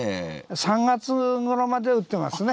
３月ごろまで売ってますね。